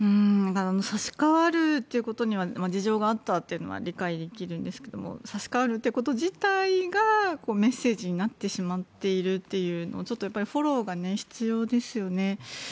差し替わるっていうことには事情があったというのは理解できるんですけども差し替わるということ自体がメッセージになってしまっているというのはちょっとフォローが必要ですよね。